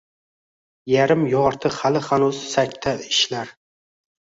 Yarim yorti hali hanuz sakta ishlar.